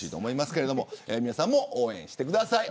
皆さんも応援してください